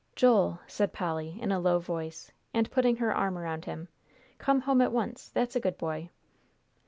"Joel," said Polly, in a low voice, and putting her arm around him, "come home at once, that's a good boy!"